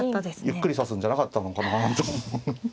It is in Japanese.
ゆっくり指すんじゃなかったのかな。